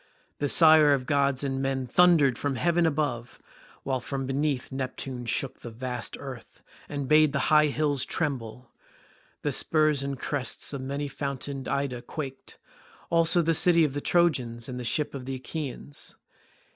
The sire of gods and men thundered from heaven above, while from beneath Neptune shook the vast earth, and bade the high hills tremble. The spurs and crests of many fountained Ida quaked, as also the city of the Trojans and the ships of the Achaeans.